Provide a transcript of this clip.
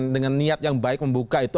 dengan niat yang baik membuka itu